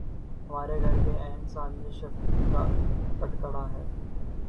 ہمارے گھر کے عین سامنے شفیع کا کٹڑہ ہے۔